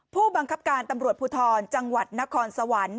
ผู้บังคับการตำรวจภูทรจังหวัดนครสวรรค์